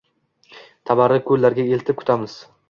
Tabarruk ko’llarga eltib tutamiz.